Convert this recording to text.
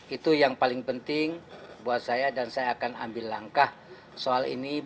itu yang paling penting buat saya dan saya akan ambil langkah soal ini